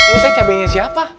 ini cabainya siapa